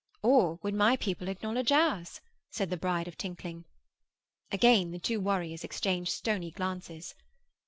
'Or would my people acknowledge ours?' said the bride of Tinkling. Again the two warriors exchanged stony glances.